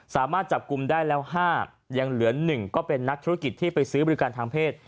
สามารถจับกลุ่มได้แล้ว๕ยังเหลือ๑ก็เป็นนักธุรกิจที่ไปซื้อบริการทางเพศ